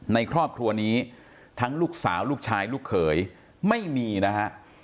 ในครอบครัวนี้ทั้งลูกสาวลูกชายลูกเขยไม่มีนะฮะ